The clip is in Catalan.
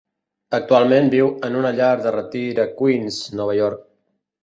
Actualment viu en una llar de retir a Queens, Nova York.